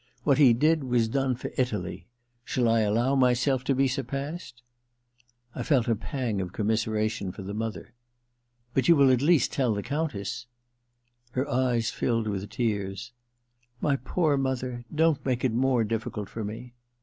What he did was done for Italy : shall I allow myself to be surpassed ?' I felt a pang of commiseration for the mother. * But you will at least tell the Countess ' Her eyes filled with tears. * My poor mother — don't make it more difficult for me